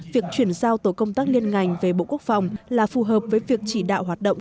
việc chuyển giao tổ công tác liên ngành về bộ quốc phòng là phù hợp với việc chỉ đạo hoạt động